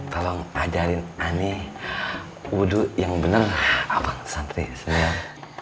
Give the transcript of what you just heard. tolong ajarin aneh wudhu yang bener abang santai senior